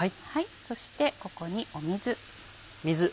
そしてここに水。